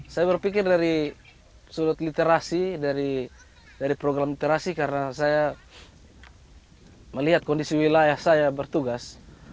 saya berpikir dari sudut literasi dari program literasi karena saya melihat kondisi wilayah saya bertugas